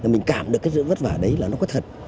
mình cảm được cái sự vất vả đấy là nó có thật